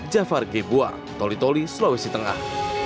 jafar g buar toli toli sulawesi tengah